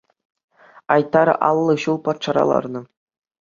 Айтар аллӑ ҫул патшара ларнӑ.